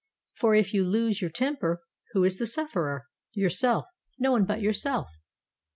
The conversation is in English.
For if you lose your temper, who is the sufferer? Yourself; no one but yourself.